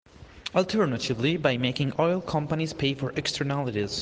Alternatively, by making oil companies pay for externalities.